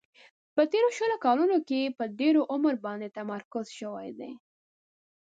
په تیرو شلو کلونو کې په ډېر عمر باندې تمرکز شوی دی.